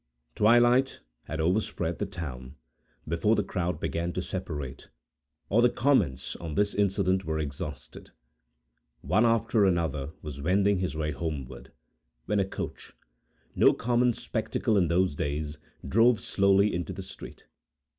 Twilight had overspread the town, before the crowd began to separate, or the comments on this incident were exhausted. One after another was wending his way homeward, when a coach—no common spectacle in those days—drove slowly into the street.